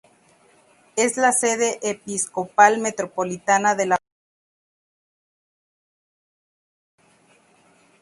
Es la sede episcopal metropolitana de la Provincia Eclesiástica de Sudáfrica.